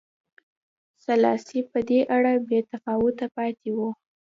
سلاسي په دې اړه بې تفاوته پاتې و.